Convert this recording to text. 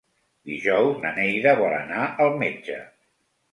Dijous na Neida vol anar al metge.